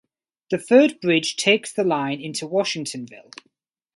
The third bridge takes the line into Washingtonville.